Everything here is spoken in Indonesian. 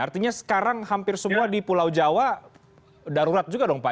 artinya sekarang hampir semua di pulau jawa darurat juga dong pak